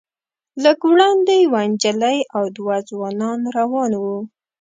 لږ وړاندې یوه نجلۍ او دوه ځوانان روان وو.